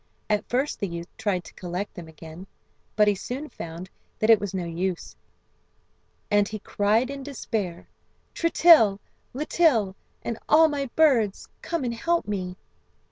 At first the youth tried to collect them again, but he soon found that it was no use, and he cried in despair: "Tritill, Litill, and all my birds, come and help me!"